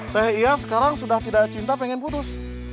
teh iya sekarang sudah tidak cinta pengen putus